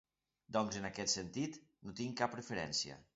Doncs, en aquest sentit, no tinc cap preferència.